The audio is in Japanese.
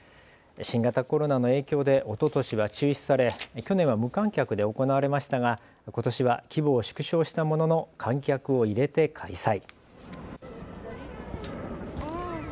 新型コロナの影響でおととしは中止され去年は無観客で行われましたがことしは規模を縮小したものの観客を入れて開催。